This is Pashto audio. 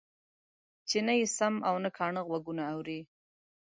چې نه يې سم او نه کاڼه غوږونه اوري.